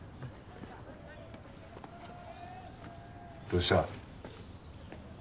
どうした？